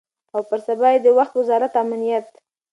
او پر سبا یې د وخت وزارت امنیت